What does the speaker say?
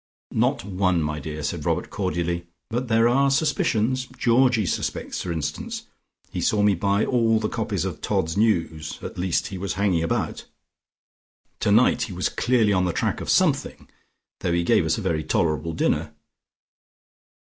"Not one, my dear," said Robert cordially. "But there are suspicions. Georgie suspects, for instance. He saw me buy all the copies of 'Todd's News,' at least he was hanging about. Tonight he was clearly on the track of something, though he gave us a very tolerable dinner."